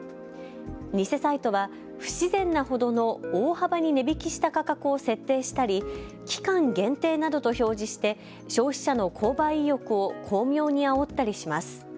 偽サイトは不自然な程の大幅に値引きした価格を設定したり、期間限定などと表示して消費者の購買意欲を巧妙にあおったりします。